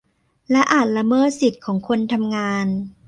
และอาจละเมิดสิทธิของคนทำงาน